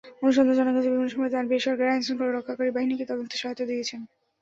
অনুসন্ধানে জানা গেছে, বিভিন্ন সময় তানভীর সরকারের আইনশৃঙ্খলা রক্ষাকারী বাহিনীকে তদন্তে সহায়তা দিয়েছেন।